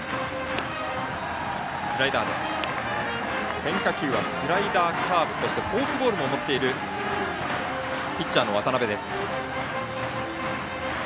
変化球はスライダー、カーブフォークボールも持っているピッチャーの渡邊です。